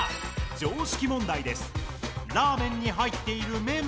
常識問題です。